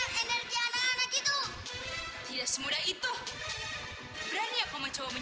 sekarang tamu dari periwala lain